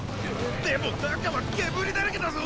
でも中は煙だらけだぞ！